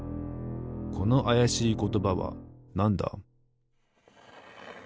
このあやしいことばはなんだ？